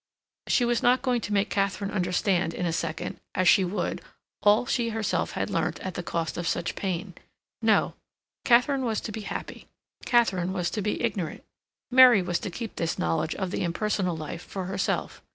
She was not going to make Katharine understand in a second, as she would, all she herself had learnt at the cost of such pain. No. Katharine was to be happy; Katharine was to be ignorant; Mary was to keep this knowledge of the impersonal life for herself.